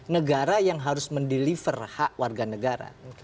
negara yang harus mendeliver hak warga negara